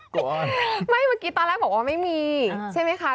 ไม่เมื่อกี้ตอนแรกบอกว่าไม่มีใช่ไหมคะ